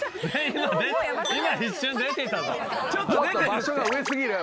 場所が上過ぎるよ